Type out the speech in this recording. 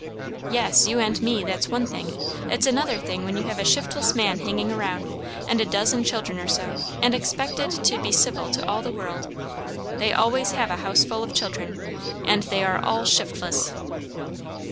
"Yes, you and me; that's one thing. It's another thing when you have a shiftless man hanging round, and a dozen children or so, and expected to be civil to all the world. They always have a house full of children, and they are all shiftless."